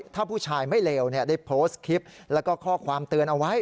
ถ้าผู้ชายไม่เลวได้โพสต์คลิปแล้วก็ข้อความเตือนเอาไว้